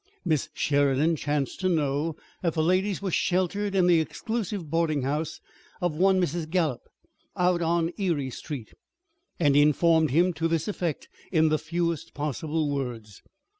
Miss Sheridan chanced to know that the ladies were sheltered in the exclusive boarding house of one Mrs. Gallup, out on Erie Street, and informed him to this effect in the fewest possible words.